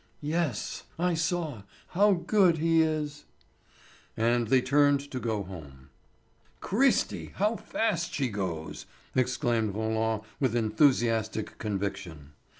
"Yes, I saw. How good he is!" And they turned to go home. "Cristi! How fast she goes!" exclaimed Roland with enthusiastic conviction.